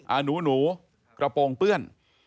หนูกระโปรงเปื้อน